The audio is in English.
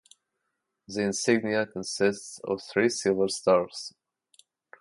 The insignia consists of three silver stars.